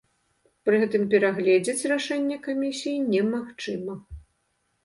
Пры гэтым перагледзіць рашэнне камісіі немагчыма.